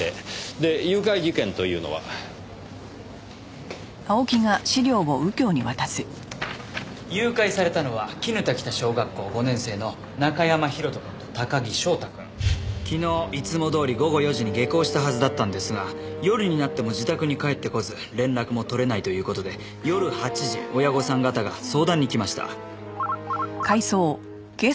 で誘拐事件というのは？誘拐されたのは砧北小学校５年生の中山広斗くんと高木翔太くん。昨日いつもどおり午後４時に下校したはずだったんですが夜になっても自宅に帰ってこず連絡も取れないという事で夜８時親御さん方が相談に来ました。